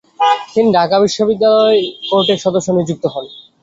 তিনি ঢাকা বিশ্ববিদ্যালয় কোর্টের সদস্য নিযুক্ত হন।